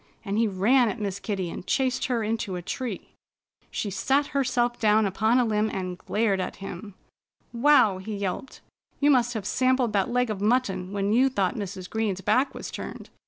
And he ran at Miss Kitty and chased her into a tree. She sat herself down upon a limb and glared at him. "Wow!" he yelped. "You must have sampled that leg of mutton when you thought Mrs. Green's back was turned.